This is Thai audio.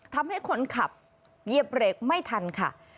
ทำให้คนขับเหยียบเบรกไม่ทันค่ะ